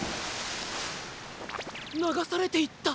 ながされていった。